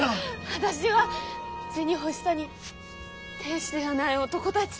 私は銭欲しさに亭主ではない男たちと。